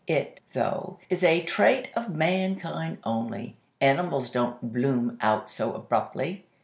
It, though, is a trait of Mankind only. Animals don't 'bloom' out so abruptly.